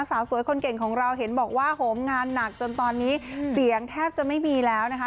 สาวสวยคนเก่งของเราเห็นบอกว่าโหมงานหนักจนตอนนี้เสียงแทบจะไม่มีแล้วนะคะ